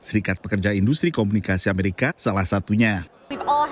sesuatu yang bisa dilakukan dengan perusahaan ini adalah